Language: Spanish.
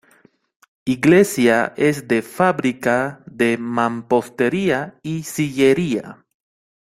Iglesia es de fábrica de mampostería y sillería.